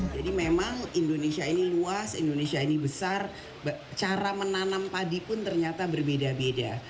jadi memang indonesia ini luas indonesia ini besar cara menanam padi pun ternyata berbeda beda